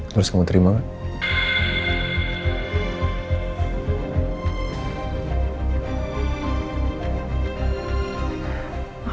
terus kamu terima gak